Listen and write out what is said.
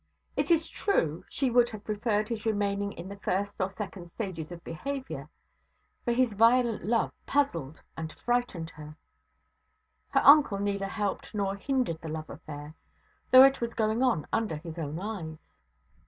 It is true, she would have preferred his remaining in the first or second stages of behaviour; for his violent love puzzled and frightened her. Her uncle neither helped nor hindered the love affair, though it was going on under his own eyes.